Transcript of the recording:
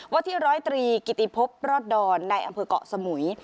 วัดที่๑๐๓กิติพบรอดดอนในอำเภอกเกาะสมุย